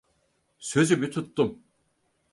Sözümü tuttum.